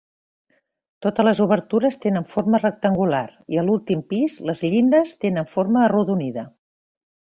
Totes les obertures tenen forma rectangular i a l'últim pis les llindes tenen forma arrodonida.